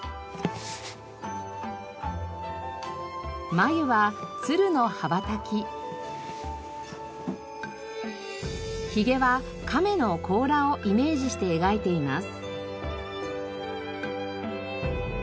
眉はひげは亀の甲羅をイメージして描いています。